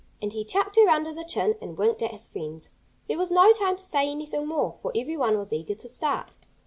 And he chucked her under the chin and winked at his friends. There was no time to say anything more, for everyone was eager to start.